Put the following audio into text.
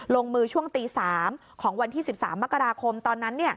ลงมือช่วงตี๓ของวันที่๑๓มกราคมตอนนั้น